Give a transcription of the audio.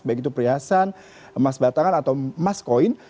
baik itu perhiasan emas batangan atau emas koin